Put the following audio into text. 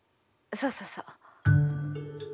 そうそうそう。